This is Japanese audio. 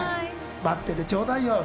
待っててちょうだいよ。